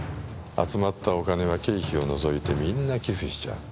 集まったお金は経費を除いてみんな寄付しちゃう。